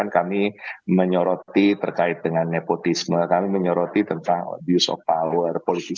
kami menyoroti terkait dengan nepotisme kami menyoroti tentang abuse of power policy